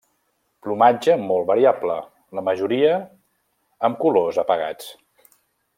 Plomatge molt variable, la majoria amb colors apagats.